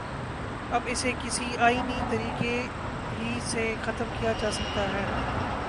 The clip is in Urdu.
اب اسے کسی آئینی طریقے ہی سے ختم کیا جا سکتا ہے۔